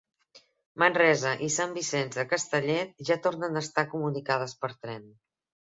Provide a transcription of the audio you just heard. Manresa i Sant Vicenç de Castellet ja tornen a estar comunicades per tren